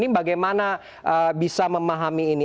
bagaimana bisa memahami ini